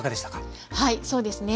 はいそうですね